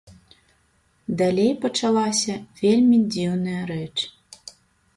Далей пачалася вельмі дзіўная рэч.